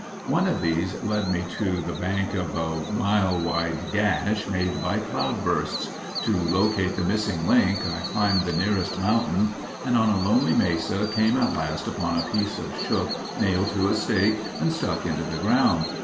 One of these led me to the bank of a mile wide gash made by cloudbursts. To locate the missing link I climbed the nearest mountain and on a lonely mesa came at last upon a piece of shook nailed to a stake and stuck into the ground.